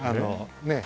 ねえ。